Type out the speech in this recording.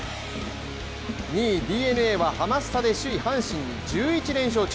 ２位・ＤｅＮＡはハマスタで首位・阪神に１１連勝中。